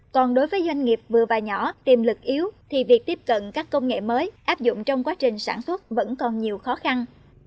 còn đối với doanh nghiệp vừa và nhỏ tiềm lực yếu thì việc tiếp cận các công nghệ mới áp dụng trong quá trình sản xuất vẫn còn nhiều khó khăn